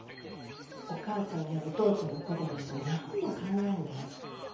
お母ちゃんやお父ちゃんのことなんぞ何も考えんでええ。